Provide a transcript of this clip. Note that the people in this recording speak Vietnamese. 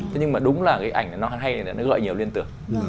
thế nhưng mà đúng là cái ảnh nó hay là nó gọi nhiều liên tưởng